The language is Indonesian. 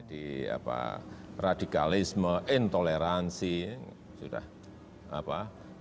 jadi apa radikalisme intoleransi sudah apa